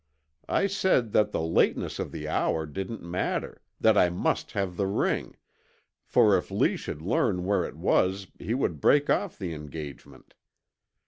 I said that the lateness of the hour didn't matter, that I must have the ring, for if Lee should learn where it was he would break off the engagement.